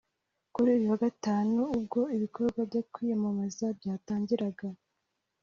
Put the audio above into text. Kuri uyu wa Gatanu ubwo ibikorwa byo kwiyamamaza byatangiraga